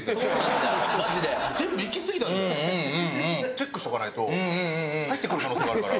チェックしておかないと入ってくる可能性があるから。